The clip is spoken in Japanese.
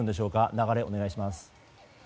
流れ、お願いします。